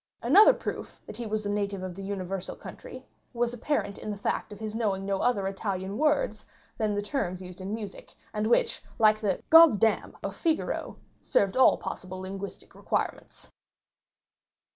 Another proof that he was a native of the universal country was apparent in the fact of his knowing no other Italian words than the terms used in music, and which like the "goddam" of Figaro, served all possible linguistic requirements.